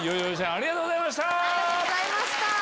ありがとうございます。